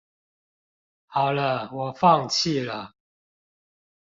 好了我放棄了